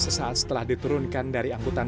sesaat setelah diturunkan dari angkutan